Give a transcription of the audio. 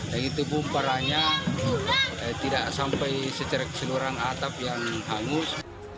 dan itu pun parahnya tidak sampai secara keseluruhan atap yang hangus